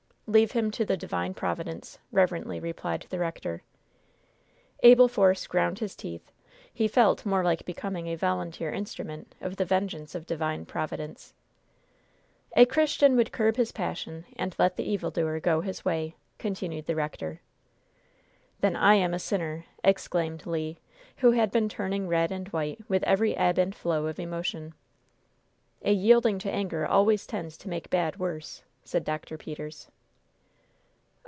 "Leave him to the divine Providence," reverently replied the rector. Abel Force ground his teeth; he felt more like becoming a volunteer instrument of the vengeance of divine Providence. "A Christian would curb his passion and let the evildoer go his way," continued the rector. "Then I am a sinner!" exclaimed Le, who had been turning red and white with every ebb and flow of emotion. "A yielding to anger always tends to make bad worse," said Dr. Peters.